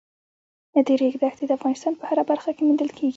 د ریګ دښتې د افغانستان په هره برخه کې موندل کېږي.